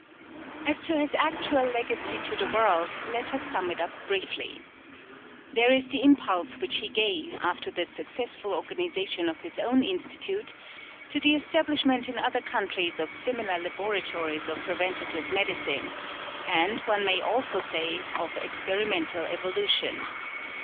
As to his actual legacy to the world, let us sum it up briefly. There is the impulse which he gave, after the successful organization of his own Institute, to the establishment in other countries of similar laboratories of preventive medicine, and, one may also say, of experimental evolution.